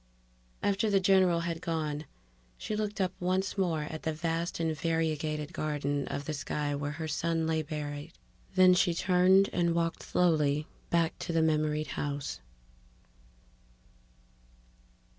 After the general had gone, she looked up once more at the vast and variegated garden of the sky where her son lay buried, then she turned and walked slowly back to the memoried house.